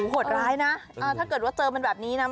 โหดร้ายนะถ้าเกิดว่าเจอมันแบบนี้นะ